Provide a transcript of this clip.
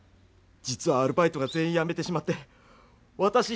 実はアルバイトが全員やめてしまってわたし